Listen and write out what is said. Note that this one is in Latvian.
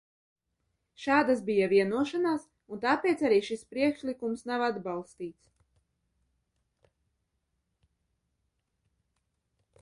Šādas bija vienošanās, un tāpēc arī šis priekšlikums nav atbalstīts.